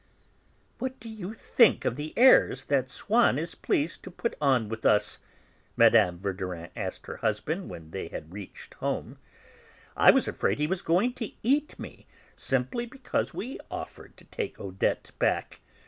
"What do you think of the airs that Swann is pleased to put on with us?" Mme. Verdurin asked her husband when they had reached home. "I was afraid he was going to eat me, simply because we offered to take Odette back.